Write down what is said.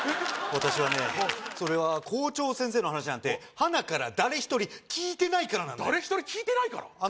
私はねそれは校長先生の話なんてはなから誰一人聞いてないからなんだ誰一人聞いてないから？